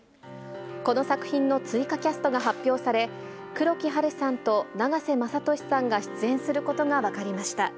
この作品の追加キャストが発表され、黒木華さんと永瀬正敏さんが出演することが分かりました。